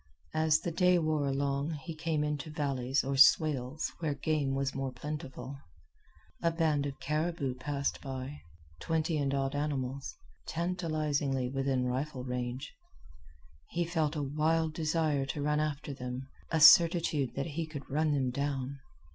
As the day wore along he came into valleys or swales where game was more plentiful. A band of caribou passed by, twenty and odd animals, tantalizingly within rifle range. He felt a wild desire to run after them, a certitude that he could run them down.